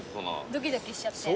ドキドキしちゃって。